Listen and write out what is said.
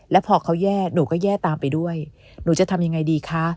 แล้วพอเขาแย่หนูก็แย่ตามไปด้วยหนูจะทำยังไงดีคะ